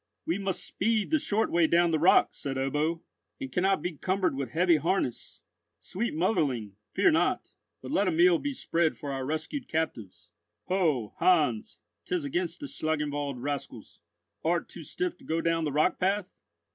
"We must speed the short way down the rock," said Ebbo, "and cannot be cumbered with heavy harness. Sweet motherling, fear not; but let a meal be spread for our rescued captives. Ho, Heinz, 'tis against the Schlangenwald rascals. Art too stiff to go down the rock path?"